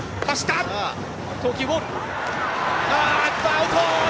アウト！